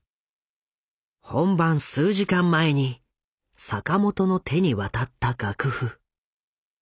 本番数時間前に坂本の手に渡った楽譜。